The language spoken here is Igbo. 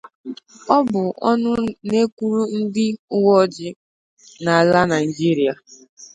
Ọ bụ ọnụ na-ekwuru ndị uweojii n'ala Nigeria